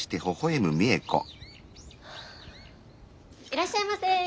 いらっしゃいませ。